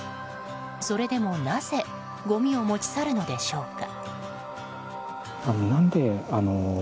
それでもなぜごみを持ち去るのでしょうか。